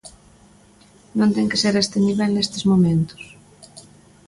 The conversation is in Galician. Non ten que ser a este nivel nestes momentos.